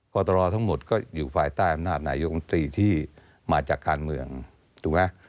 กรตรทั้งหมดก็อยู่ภายใต้อำนาจนายกรรมตรีที่มาจากการเมืองถูกไหม